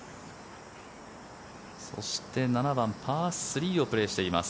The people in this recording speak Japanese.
そして７番、パー３をプレーしています。